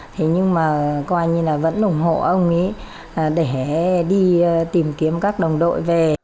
thế nhưng mà coi như là vẫn ủng hộ ông ấy để đi tìm kiếm các đồng đội về